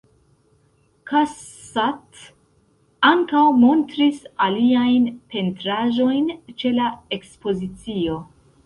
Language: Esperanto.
Cassatt ankaŭ montris aliajn pentraĵojn ĉe la Ekspozicio.